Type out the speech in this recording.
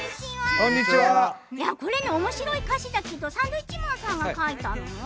おもしろい歌詞だけどサンドウィッチマンさんが書いたの？